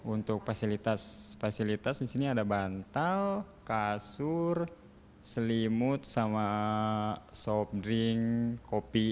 untuk fasilitas fasilitas di sini ada bantal kasur selimut sama soft drink kopi